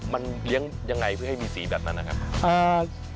มันเลี้ยงยังไงเพื่อให้มีสีแบบนั้นนะครับ